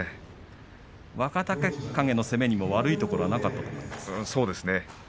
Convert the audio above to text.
若隆景の攻めにも悪いところはなかったですか。